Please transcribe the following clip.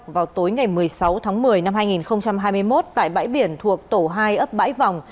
vào tối ngày một mươi sáu tháng một mươi năm hai nghìn hai mươi một tại bãi biển thuộc tổ hai ấp bãi vòng